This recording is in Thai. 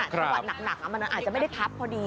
จังหวะหนักมันอาจจะไม่ได้ทับพอดี